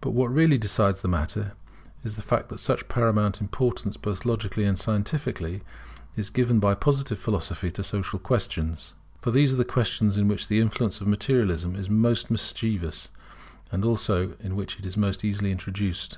But what really decides the matter is the fact that such paramount importance, both logically and scientifically, is given by Positive Philosophy to social questions. For these are the questions in which the influence of Materialism is most mischievous, and also in which it is most easily introduced.